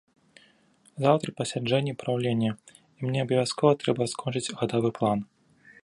Заўтра пасяджэнне праўлення, і мне абавязкова трэба скончыць гадавы план.